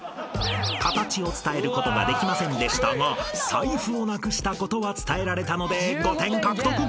［形を伝えることができませんでしたが財布をなくしたことは伝えられたので］